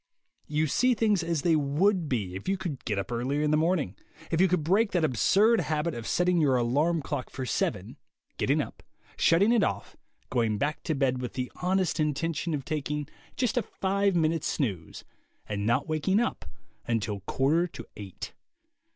You see things as they would be if you could get up earlier in the morning, if you could break that absurd habit of setting your alarm clock for seven, getting THE WAY TO WILL POWER 33 up, shutting it off, going back to bed with the honest intention of taking just a five minutes' snooze, and not waking up until quarter to eight.